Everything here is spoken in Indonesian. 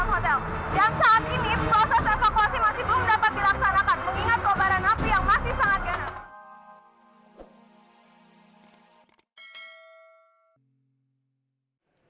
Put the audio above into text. mengingat kebakaran api yang masih sangat genar